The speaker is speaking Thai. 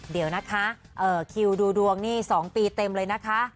เดี๋ยวนะคะคิวดูดวงนี่๒ปีเต็มเลยนะคะ